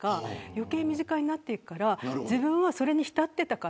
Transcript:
余計身近になっていくから自分はそれに浸っていて。